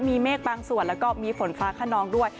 มีเมฆบางส่วนแล้วก็มีฝนฟ้าขนองด้วย